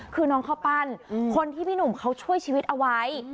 คือน้องข้าวปั้นคนที่พี่หนุ่มเขาช่วยชีวิตเอาไว้